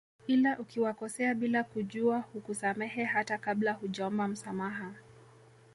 Ila ukiwakosea bila kujua hukusamehe hata kabla hujaomba msamaha